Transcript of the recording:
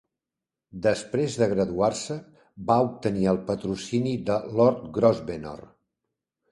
Després de graduar-se, va obtenir el patrocini de Lord Grosvenor.